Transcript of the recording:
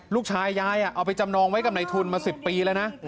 ลูกชายยายอ่ะเอาไปจำนองไว้กับไหนทุนมาสิบปีแล้วนะ